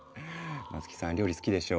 松木さん料理好きでしょう。